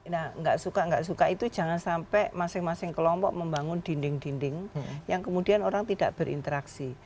nah nggak suka nggak suka itu jangan sampai masing masing kelompok membangun dinding dinding yang kemudian orang tidak berinteraksi